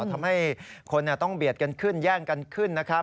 ทำให้คนต้องเบียดกันขึ้นแย่งกันขึ้นนะครับ